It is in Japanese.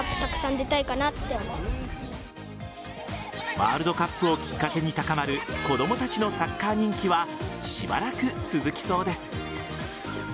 ワールドカップをきっかけに高まる子供たちのサッカー人気はしばらく続きそうです。